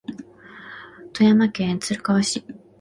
富山県滑川市